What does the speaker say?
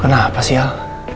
kenapa sih al